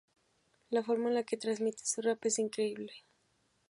La forma en la que transmite su rap es increíble.